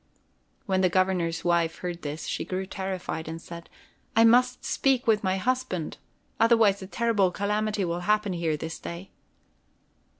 When the Governor's wife heard this, she grew terrified and said: "I must speak with my husband, otherwise a terrible calamity will happen here this day."